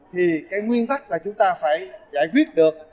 thì cái nguyên tắc là chúng ta phải giải quyết được